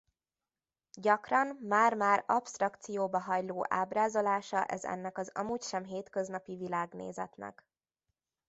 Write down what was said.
Gyakran már-már absztrakcióba hajló ábrázolása ez ennek az amúgy sem hétköznapi világnézetnek.